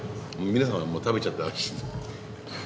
皆さんはもう食べちゃったらしい。